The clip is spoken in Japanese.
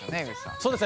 そうですね。